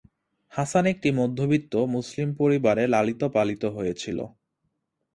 হাসান একটি মধ্যবিত্ত মুসলিম পরিবারে লালিত-পালিত হয়েছিল।